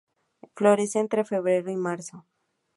Florece entre febrero y marzo.